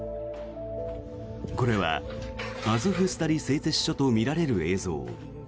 これはアゾフスタリ製鉄所とみられる映像。